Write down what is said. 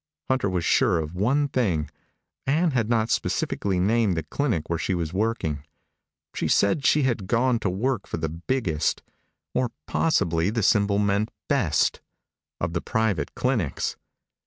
Hunter was sure of one thing. Ann had not specifically named the clinic where she was working. She said she had gone to work for the biggest or possibly the symbol meant best of the private clinics.